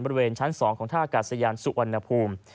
บริเวณชั้น๒ของท่ากาศยานสุวรรณภูมิ